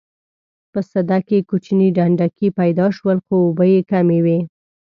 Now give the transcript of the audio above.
په سده کې کوچني ډنډکي پیدا شول خو اوبه یې کمې وې.